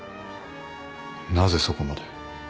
なぜそこまで。